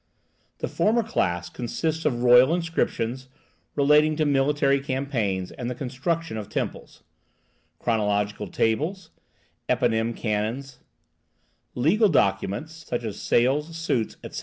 The former class consists of royal inscriptions (relating to military campaigns and the construction of temples), chronological tables (eponym canons), legal documents (sales, suits, etc.)